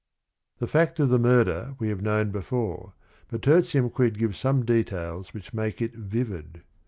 The fact of the murder we have known before, but Tertium Quid gives some details which make it vivid.